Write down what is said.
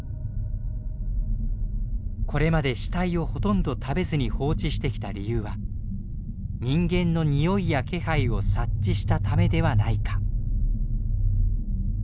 これまで死体をほとんど食べずに放置してきた理由は人間のにおいや気配を察知したためではないか。